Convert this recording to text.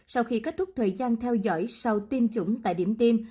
sau khi kết thúc thời gian theo dõi sau tiêm chủng tại điểm tiêm